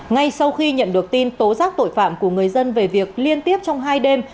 ngay sau khi nhận được tin tố giác tội phạm của người dân về việc liên tiếp trong hai đêm